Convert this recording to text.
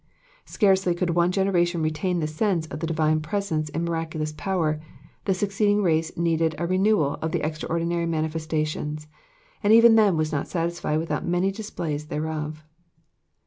Scarcely could one generation retain the sense of the divine presence in miraculous power, the succeeding race needed a renewal of the extraordinary manifestations, and even then was nut satisfied without many displays thereof.